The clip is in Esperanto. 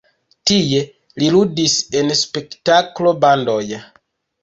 Tie li ludis en spektaklo-bandoj.